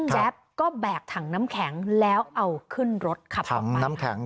ก็แบกถังน้ำแข็งแล้วเอาขึ้นรถขับถังน้ำแข็ง